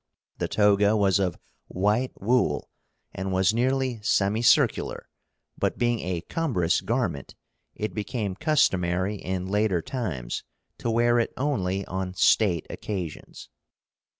The toga was of white wool and was nearly semicircular, but being a cumbrous garment, it became customary in later times to wear it only on state occasions.